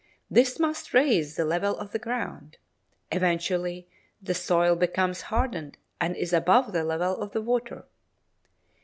This must raise the level of the ground. Eventually the soil becomes hardened and is above the level of the water.